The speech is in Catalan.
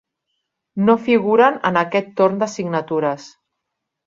No figuren en aquest torn de signatures.